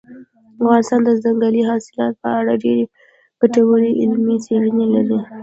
افغانستان د ځنګلي حاصلاتو په اړه ډېرې ګټورې علمي څېړنې لري.